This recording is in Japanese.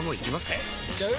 えいっちゃう？